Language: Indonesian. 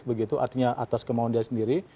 begitu artinya atas kemauan dia sendiri